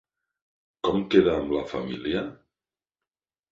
Com queda amb la família?